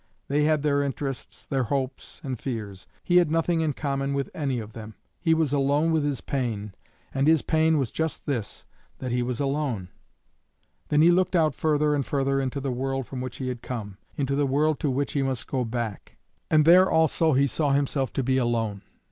They had their interests, their hopes and fears; he had nothing in common with any of them; he was alone with his pain, and his pain was just this, that he was alone. Then he looked out further and further into the world from which he had come, into the world to which he must go back, and there also he saw himself to be alone.